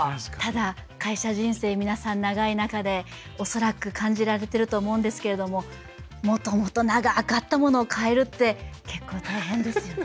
ただ会社人生皆さん長い中で恐らく感じられてると思うんですけれどももともと長くあったものを変えるって結構大変ですよね。